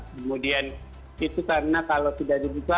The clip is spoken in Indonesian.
kemudian itu karena kalau tidak dibuka